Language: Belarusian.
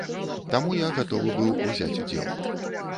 Таму я гатовы быў узяць удзел.